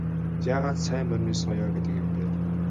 Яагаад сайн морины соёо гэдэг юм бэ?